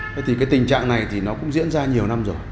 thế thì cái tình trạng này thì nó cũng diễn ra nhiều năm rồi